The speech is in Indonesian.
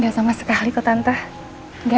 gak sama sekali kok tante gak ada yang berubah